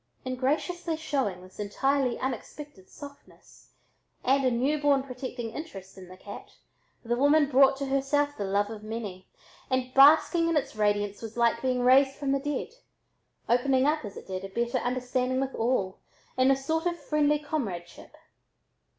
In graciously showing this entirely unexpected softness, and a new born protecting interest in the cat, the woman brought to herself the love of many, and basking in its radiance was like being raised from the dead, opening up as it did a better understanding with all in a sort of friendly comradeship.